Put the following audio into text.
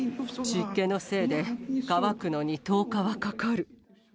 湿気のせいで、乾くのに１０日はかかる。